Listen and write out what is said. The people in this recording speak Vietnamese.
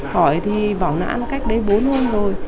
hỏi thì bảo là ăn cách đấy bốn hôm rồi